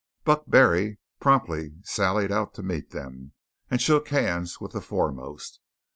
Buck Barry promptly sallied out to meet them, and shook hands with the foremost.